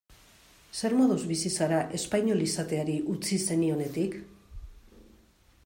Zer moduz bizi zara espainol izateari utzi zenionetik?